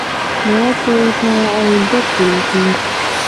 يوه ګوته او دوه ګوتې